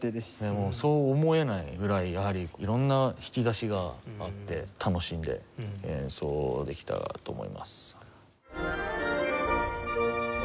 もうそう思えないぐらいやはり色んな引き出しがあって楽しんで演奏できたと思います。